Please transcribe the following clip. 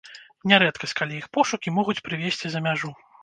Не рэдкасць, калі іх пошукі могуць прывесці за мяжу.